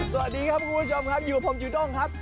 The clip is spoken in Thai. สวัสดีครับคุณผู้ชมครับอยู่กับผมจูด้งครับ